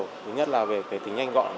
thứ nhất là về cái tính nhanh gọn